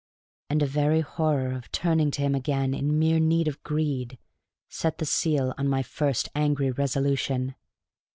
And a very horror of turning to him again in mere need of greed set the seal on my first angry resolution.